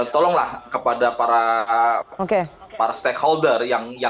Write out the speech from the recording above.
tolonglah kepada para stakeholder